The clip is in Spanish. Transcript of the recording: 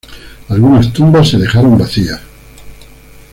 Algunas tumbas se dejaron vacía.